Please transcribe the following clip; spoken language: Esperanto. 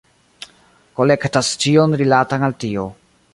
Kolektas ĉion rilatan al tio.